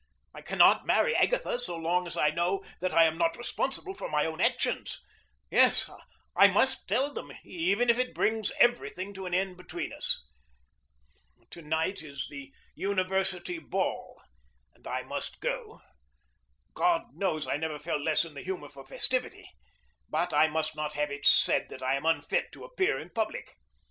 I cannot marry Agatha so long as I know that I am not responsible for my own actions. Yes, I must tell them, even if it brings every thing to an end between us. To night is the university ball, and I must go. God knows I never felt less in the humor for festivity, but I must not have it said that I am unfit to appear in public.